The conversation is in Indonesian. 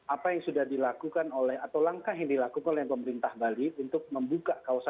apa yang sudah dilakukan oleh atau langkah yang dilakukan oleh pemerintah bali untuk membuka kawasan